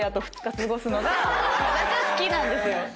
私は好きなんです。